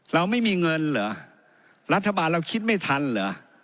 เราไม่มีเงินเหรอรัฐบาลเราคิดไม่ทันเหรอ